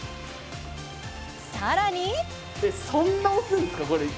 さらに！